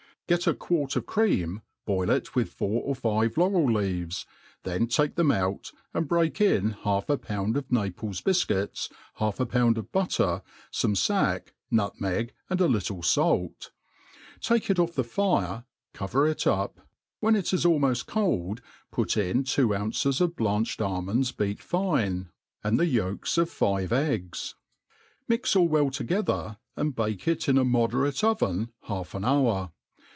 GET a quart of cream, boil it with four or five laurel leaves ; then take them out, and break in half a pound of Na* pies bifcuits, half a pound of butter, fome fack, nutmeg, and a little fait ; take it off the fire, cover it up, when it is almoft cold, put ia two ounces of blanched almonds beat fine, and the yolks of 1 M4 THE ART OP COOICERV of five iem* Mix all well eogether, and biike it in a moisr$i/t ^a balriin hottr.